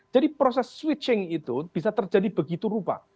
jadi proses switching itu bisa terjadi begitu rupa